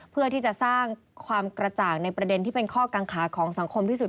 เพื่อที่จะสร้างความกระจ่างในประเด็นที่เป็นข้อกังขาของสังคมที่สุด